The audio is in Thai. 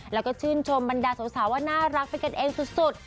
แล้วก็ชื่นชมบรรดาสาวว่าน่ารักเป็นกันเองสุด